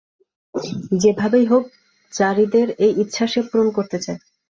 যেভাবেই হোক যারীদের এই ইচ্ছা সে পূরণ করতে চায়।